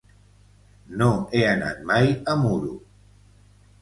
No he anat mai a Muro.